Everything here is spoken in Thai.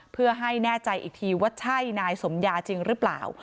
เพื่อให้แน่ใจอีกทีว่าใช่นายสมยาจริงหรือเปล่า